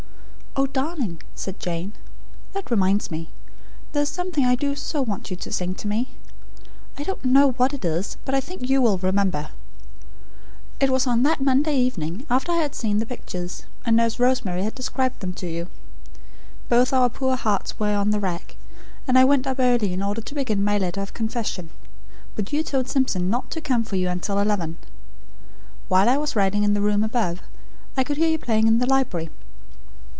"Oh, darling," said Jane, "that reminds me; there is something I do so want you to sing to me. I don't know what it is; but I think you will remember. It was on that Monday evening, after I had seen the pictures, and Nurse Rosemary had described them to you. Both our poor hearts were on the rack; and I went up early in order to begin my letter of confession; but you told Simpson not to come for you until eleven. While I was writing in the room above, I could hear you playing in the library.